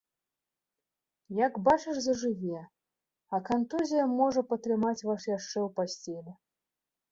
Як бачыш зажыве, а кантузія можа патрымаць вас яшчэ ў пасцелі.